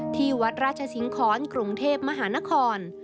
ที่วัดราชสิงครกรุงเทพมหานคร